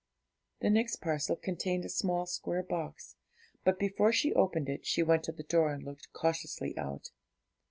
The next parcel contained a small square box; but before she opened it, she went to the door and looked cautiously out.